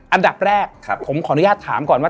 อันดับแรกผมขออนุญาตถามก่อนว่า